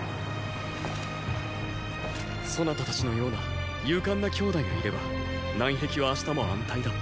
そなたたちのような勇敢な兄弟がいれば南壁は明日も安泰だ。